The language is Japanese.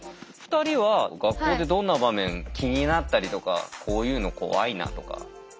２人は学校でどんな場面気になったりとかこういうの怖いなとか。